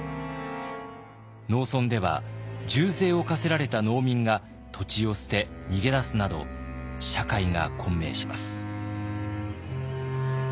農村では重税を課せられた農民が土地を捨て逃げ出すなど社会が混迷します。